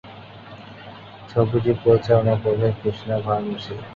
ছবিটি পরিচালনা করেছেন কৃষ্ণা ভামসী।